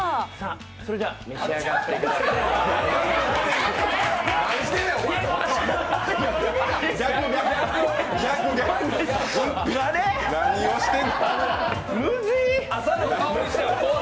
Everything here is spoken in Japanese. それでは、召し上がってください。